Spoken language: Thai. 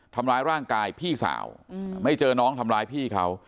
ทำร้ายร่างกายพี่สาวไม่เจอน้องทำร้ายพี่เขา